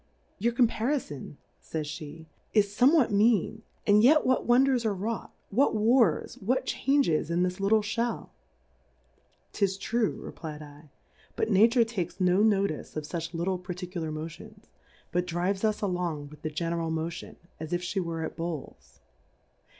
Your Compariibn, fa)'sf])e^ is fome what mean, and yet what Wonders are wrought, what Wars, what Changes in this little Shell ? 'Tis true, repfu 7, but Nature takes no notice of fuch little par Plurality ^/WORLDS. 3? particular Motions, but drives us along with the general Motion, as if flie were at Bowls.